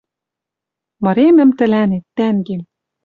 Мыремӹм тӹлӓнет, тӓнгем...